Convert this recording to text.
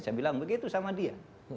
saya bilang begitu sama dia